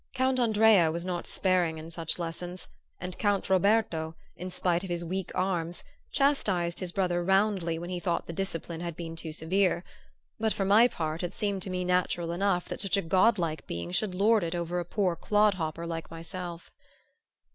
Count Andrea was not sparing in such lessons, and Count Roberto, in spite of his weak arms, chastised his brother roundly when he thought the discipline had been too severe; but for my part it seemed to me natural enough that such a godlike being should lord it over a poor clodhopper like myself.